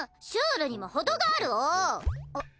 シュールにもほどがあるお！